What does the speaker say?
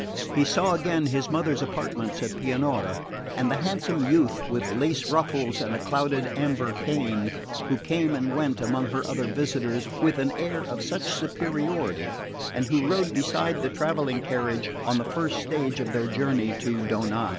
He saw again his mother's apartments at Pianura, and the handsome youth with lace ruffles and a clouded amber cane, who came and went among her other visitors with an air of such superiority, and who rode beside the travelling carriage on the first stage of their journey to Donnaz.